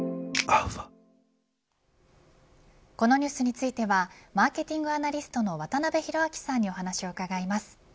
このニュースについてはマーケティングアナリストの渡辺広明さんにお話を伺います。